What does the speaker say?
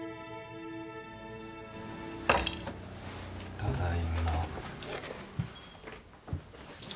ただいま。